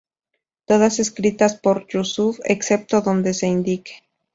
Todas escritas por Yusuf, excepto donde se indique.